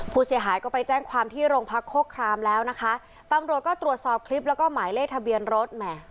ผู้เสียหายก็ไปแจ้งความที่โรงพักโฆครามแล้วนะคะตำรวจก็ตรวจสอบคลิปแล้วก็หมายเลขทะเบียนรถแหม